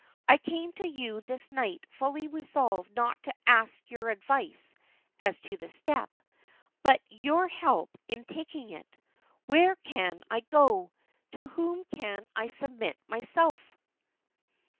I came to you this night fully resolved not to ask your advice as to the step, but your help in taking it. Where can I go? To whom can I submit myself?"